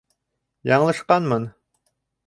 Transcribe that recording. Яңылышҡанмын.